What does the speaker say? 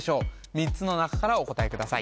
３つの中からお答えください